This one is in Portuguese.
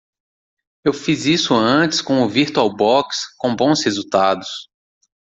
Eu fiz isso antes com o VirtualBox com bons resultados.